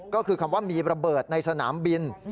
ก็คือคำว่ามีระเบิดในสนามบิน